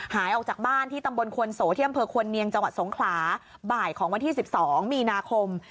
หายออกจากบ้านที่ตำบลควนโสที่อำเภอควรเนียงจังหวัดสงขลาบ่ายของวันที่๑๒มีนาคม